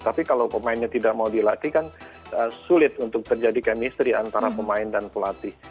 tapi kalau pemainnya tidak mau dilatih kan sulit untuk terjadi chemistry antara pemain dan pelatih